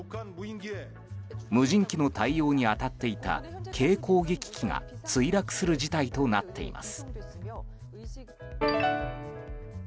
無人機の対応に当たっていた軽攻撃機が墜落する事態となっています。